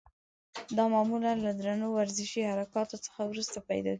دا معمولا له درنو ورزشي حرکاتو څخه وروسته پیدا کېږي.